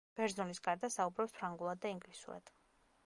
ბერძნულის გარდა საუბრობს ფრანგულად და ინგლისურად.